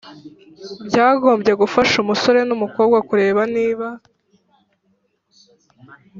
Byagombye gufasha umusore n umukobwa kureba niba